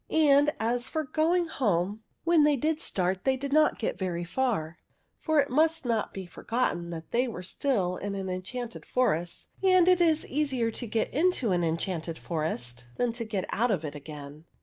And as for going home, when they did start they did not get very far ; for it must not be forgotten that they were still in an enchanted forest, and it is easier to get into an enchanted forest than to get out of it again.